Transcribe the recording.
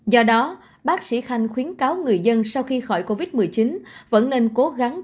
do đó bác sĩ khanh khuyến cáo người dân sau khi khỏi covid một mươi chín vẫn nên cố gắng